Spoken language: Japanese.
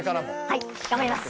はい頑張ります！